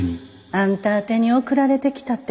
あんた宛てに贈られてきたて。